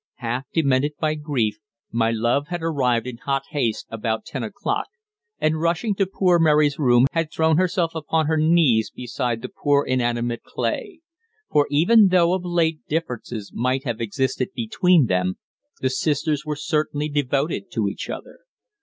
Half demented by grief, my love had arrived in hot haste about ten o'clock, and, rushing to poor Mary's room, had thrown herself upon her knees beside the poor inanimate clay; for, even though of late differences might have existed between them, the sisters were certainly devoted to each other.